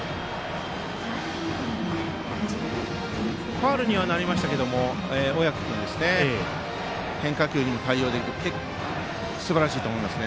ファウルにはなりましたが小宅君、変化球にも対応していてすばらしいと思います。